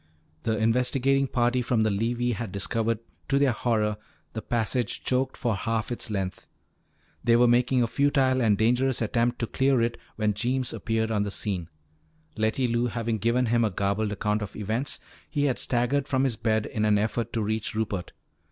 The investigating party from the levee had discovered, to their horror, the passage choked for half its length. They were making a futile and dangerous attempt to clear it when Jeems appeared on the scene. Letty Lou having given him a garbled account of events, he had staggered from his bed in an effort to reach Rupert.